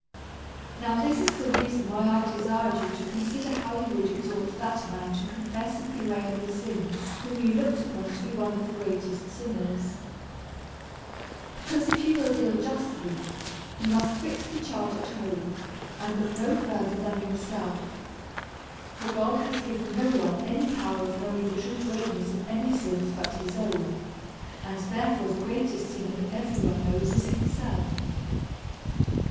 Now this is the reason why I de sired you to consider how you would exhort that man to confess and bewail his sins, whom you looked upo« to be one of the greatest sinners ; because, if you will deal justly, you must fix the charge at home, and look no farther than yourself. For God has given no one any power of knowing the true greatness of any sins, but his own ; and, therefore, the greatest sinner that every one knows is himself.